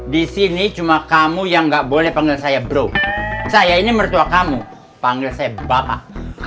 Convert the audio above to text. di sini cuma kamu yang nggak boleh panggil saya bro saya ini mertua kamu panggil saya bapak